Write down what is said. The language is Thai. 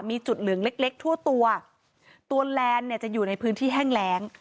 มีจุดเหลืองเล็กเล็กทั่วตัวตัวแลนด์เนี่ยจะอยู่ในพื้นที่แห้งแรง